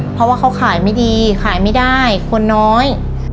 เพราะว่าเขาขายไม่ดีขายไม่ได้คนน้อย